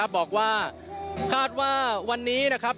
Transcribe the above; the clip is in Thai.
บอกว่าคาดว่าวันนี้นะครับ